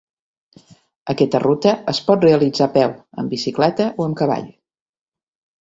Aquesta ruta es pot realitzar a peu, amb bicicleta o amb cavall.